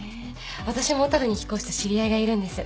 私も小樽に引っ越した知り合いがいるんです。